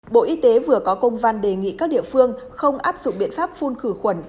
bộ y tế vừa có công văn đề nghị các địa phương không áp dụng biện pháp phun khử khuẩn